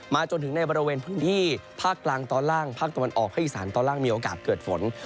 จนถึงในบริเวณพื้นที่ภาคกลางตอนล่างภาคตะวันออกภาคอีสานตอนล่างมีโอกาสเกิดฝน